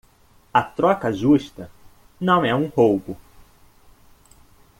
A troca justa não é um roubo.